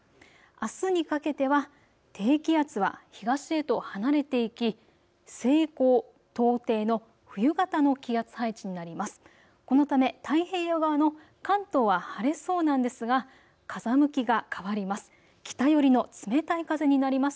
あすにかけては低気圧は東へと離れていき西高東低の冬型の気圧配置になります。